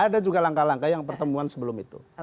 ada juga langkah langkah yang pertemuan sebelum itu